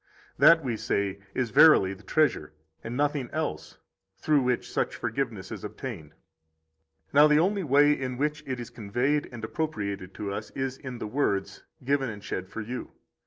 That, we say, is verily the treasure, and nothing else, through which such forgiveness is obtained. 29 Now the only way in which it is conveyed and appropriated to us is in the words ( Given and shed for you).